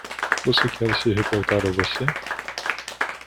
Você quer se reportar a você?